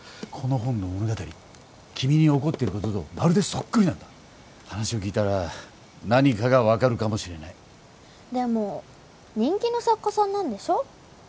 この本の物語君に起こっていることとまるでそっくりなんだ話を聞いたら何かが分かるかもしれないでも人気の作家さんなんでしょ？